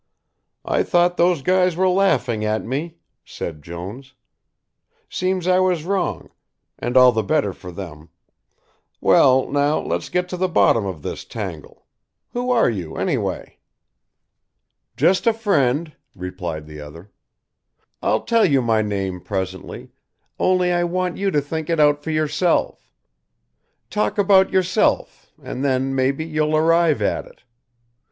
"I thought those guys were laughing at me," said Jones, "seems I was wrong, and all the better for them well, now, let's get to the bottom of this tangle who are you, anyway?" "Just a friend," replied the other, "I'll tell you my name presently, only I want you to think it out for yourself. Talk about yourself and then, maybe, you'll arrive at it.